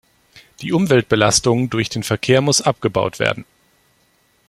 Die Umweltbelastung durch den Verkehr muss abgebaut werden.